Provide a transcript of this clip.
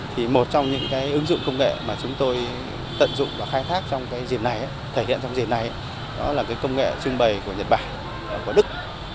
thì một trong những cái ứng dụng công nghệ mà chúng tôi tận dụng và khai thác trong cái diện này thể hiện trong diện này đó là cái công nghệ trưng bày của nhật bản của đức